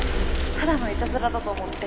ただのいたずらだと思って。